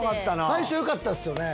最初よかったっすよね。